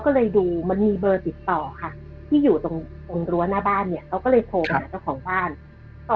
คือเรื่องนี้มันเกิดมาประสบการณ์ของรุ่นนี้มีคนที่เล่าให้พี่ฟังคือชื่อน้องปลานะคะ